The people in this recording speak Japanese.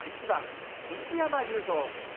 １番内山裕三。